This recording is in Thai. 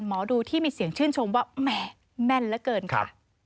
หมอดูที่มีเสียงชื่นชมว่าแหมแม่นเหลือเกินค่ะ